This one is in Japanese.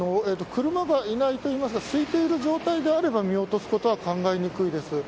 車がいないというか空いている状態であれば見落とすことは考えにくいです。